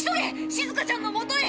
しずかちゃんのもとへ！